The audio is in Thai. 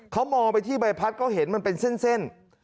เขามองไปที่ใบพัดก็เห็นมันเป็นเส้น